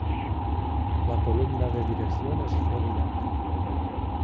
La columna de dirección es regulable.